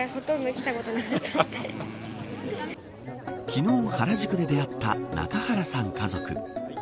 昨日原宿で出会った中原さん家族。